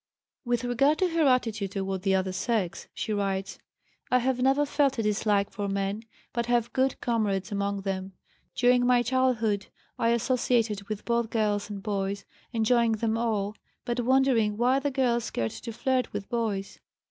With regard to her attitude toward the other sex, she writes: "I have never felt a dislike for men, but have good comrades among them. During my childhood I associated with both girls and boys, enjoying them all, but wondering why the girls cared to flirt with boys.